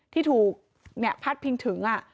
ที่ถูกพาดพิงถึง